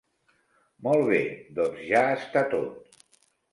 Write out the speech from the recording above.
Molt bé, doncs ja està tot.